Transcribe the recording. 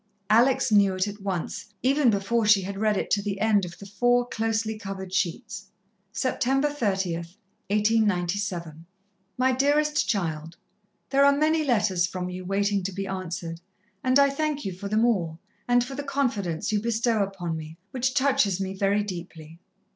Alex knew it at once, even before she had read it to the end of the four closely covered sheets. "Sept. 30, 1897. "MY DEAREST CHILD, "There are many letters from you waiting to be answered, and I thank you for them all, and for the confidence you bestow upon me, which touches me very deeply.